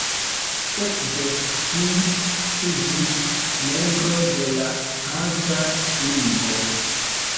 Sekve ĝi iĝis membro de la Hansa Ligo.